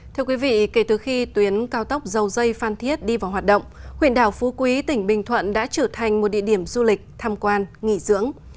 thưa quý vị kể từ khi tuyến cao tốc dầu dây phan thiết đi vào hoạt động huyện đảo phú quý tỉnh bình thuận đã trở thành một địa điểm du lịch tham quan nghỉ dưỡng